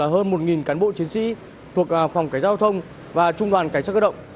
hơn một cán bộ chiến sĩ thuộc phòng cảnh giao thông và trung đoàn cảnh sát cơ động